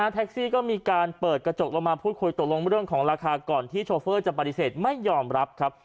แท็กซี่ก็มีการเปิดกระจกลงมาพูดคุยตกลงเรื่องของราคาก่อนที่โชเฟอร์จะปฏิเสธไม่ยอมรับครับ